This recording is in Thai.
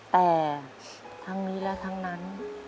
แต่ทั้งนี้และทั้งนั้น